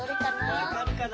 わかるかな？